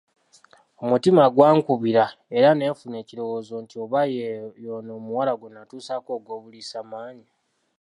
Omutima gwankubira era ne nfuna ekirowoozo nti oba ye ono omuwala gwe nnatuusaako ogw'obuliisamaanyi?